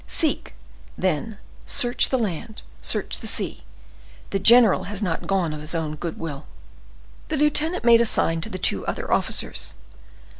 Seek, then, search the land, search the sea; the general has not gone of his own good will." The lieutenant made a sign to the two other officers.